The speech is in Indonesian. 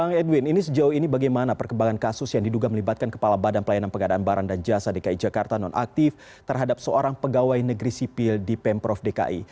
bang edwin ini sejauh ini bagaimana perkembangan kasus yang diduga melibatkan kepala badan pelayanan pengadaan barang dan jasa dki jakarta nonaktif terhadap seorang pegawai negeri sipil di pemprov dki